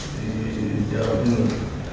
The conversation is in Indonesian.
di jawa timur